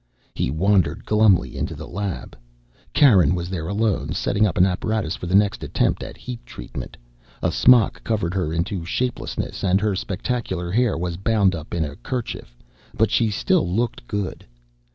He wandered glumly into the lab. Karen was there alone, setting up an apparatus for the next attempt at heat treatment. A smock covered her into shapelessness, and her spectacular hair was bound up in a kerchief, but she still looked good.